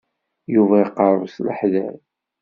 Yuba iqerreb s leḥder.